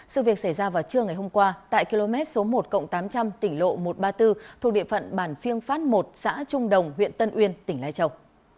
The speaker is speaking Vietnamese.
sự việc xảy ra vào trưa ngày hôm qua tại km số một tám trăm linh tỉnh lộ một trăm ba mươi bốn thuộc địa phận bản phiêng phát một xã trung đồng huyện tân uyên tỉnh lai châu